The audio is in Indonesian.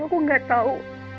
aku gak tau